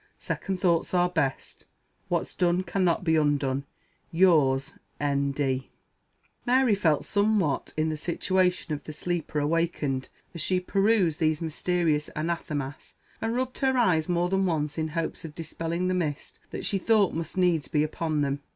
Second thoughts are best. What's done cannot be undone. Yours, "N. D." Mary felt somewhat in the situation of the sleeper awakened, as she perused these mysterious anathemas; and rubbed her eyes more than once in hopes of dispelling the mist that she thought must needs be upon them.